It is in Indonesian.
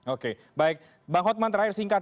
oke baik bang hotman terakhir singkat